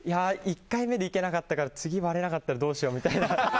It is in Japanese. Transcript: １回目でいけなかったから次割れなかったらどうしよう、みたいな。